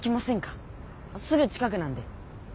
すぐ近くなんで。